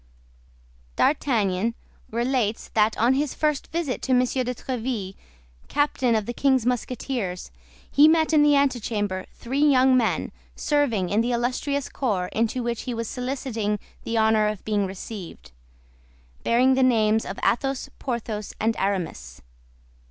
D'Artagnan relates that on his first visit to M. de Tréville, captain of the king's Musketeers, he met in the antechamber three young men, serving in the illustrious corps into which he was soliciting the honor of being received, bearing the names of Athos, Porthos, and Aramis.